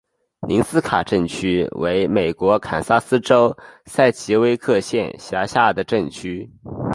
宁斯卡镇区为美国堪萨斯州塞奇威克县辖下的镇区。